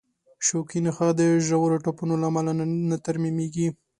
شوکي نخاع د ژورو ټپونو له امله نه ترمیمېږي.